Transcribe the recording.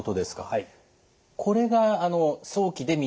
はい。